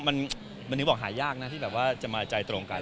มันถึงหาอยากนะที่อยากมาใจตรงกัน